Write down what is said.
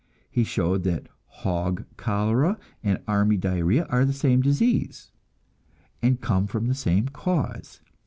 He showed that hog cholera and army diarrhea are the same disease, and come from the same cause.